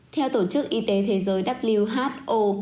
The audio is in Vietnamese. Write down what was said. theo tổ chức y tế thế giới who